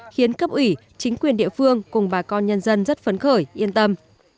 khiến cấp ủy chính quyền địa phương cùng bà con nhân dân rất phấn khởi yên tâm